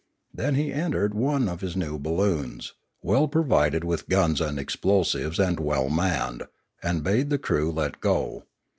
Then he en tered one of his new balloons, well provided with guns and explosives and well manned, and bade the crew let go.